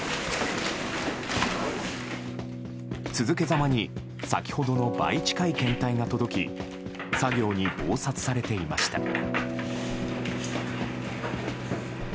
続けざまに先ほどの倍近い検体が届き作業に忙殺されていました。